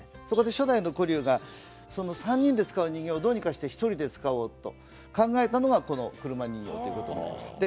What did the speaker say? そこで初代の古柳が３人で使う人形をどうにかして１人で使おうと考えたのがこの車人形です。